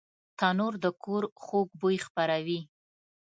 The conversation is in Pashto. تنور د کور خوږ بوی خپروي